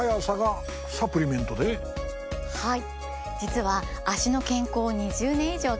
はい。